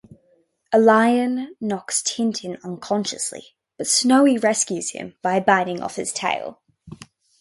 A lion knocks Tintin unconscious, but Snowy rescues him by biting off its tail.